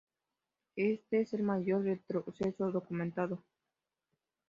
Este es el mayor retroceso documentado.